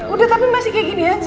udah tapi masih kayak gini aja